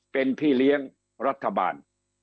เป็นพี่เลี้ยงรัฐบาล